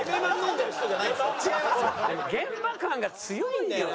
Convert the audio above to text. でも現場感が強いんだよな。